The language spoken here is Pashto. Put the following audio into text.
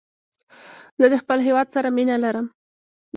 زه د خپل هېواد سره مینه لرم.